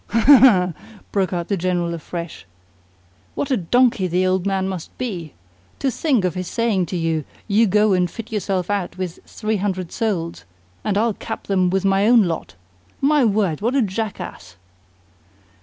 "Ha, ha, ha!" broke out the General afresh. "WHAT a donkey the old man must be! To think of his saying to you: 'You go and fit yourself out with three hundred souls, and I'll cap them with my own lot'! My word! What a jackass!"